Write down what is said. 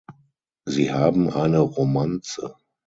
Sie haben eine Romanze.